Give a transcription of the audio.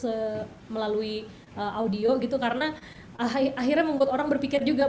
se melalui audio gitu karena akhirnya membuat orang berpikir juga